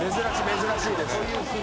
難しいです。